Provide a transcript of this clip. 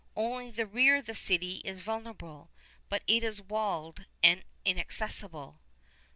Only the rear of the city is vulnerable; but it is walled and inaccessible.